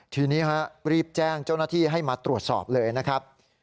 ทีนี้รีบแจ้งเจ้าหน้าที่ให้มาตรวจสอบเลยนะครับ